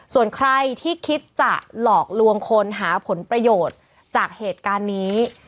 ส่วนใครที่คิดจะหลอกลวงคนหาผลประโยชน์จากเหตุการณ์นี้